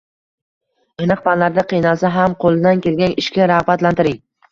Aniq fanlarda qiynalsa ham, qo'lidan kelgan ishga rag'batlantiring.